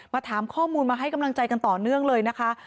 ถามข้อมูลมาให้กำลังใจกันต่อเนื่องเลยนะคะ